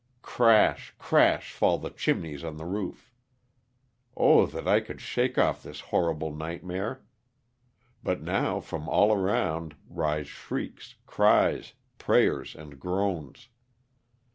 Crash, crash fall the chimneys on the roof ! Oh, that I could shake off this horrible nightmare ! But now from all around rise shrieks, cries, prayers and groans.